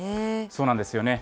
そうなんですよね。